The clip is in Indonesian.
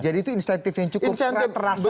jadi itu insentif yang cukup terasa